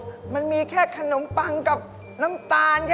ลืมมาเป็นแล้วอันนี้มีแค่ขนมปังกับน้ำตาลแค่นี้